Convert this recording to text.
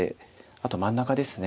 あと真ん中ですね。